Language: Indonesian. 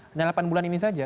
hanya delapan bulan ini saja